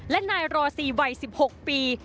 และนายรอซีวัย๑๖ปี